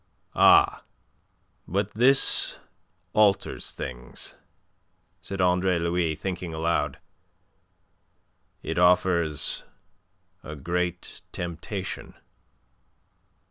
"Ah, but this alters things," said Andre Louis, thinking aloud. "It offers a great temptation."